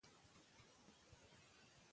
دا ناول په پښتو ژبه لیکل شوی دی.